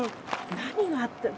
何があった。